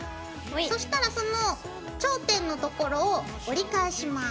そしたらその頂点のところを折り返します。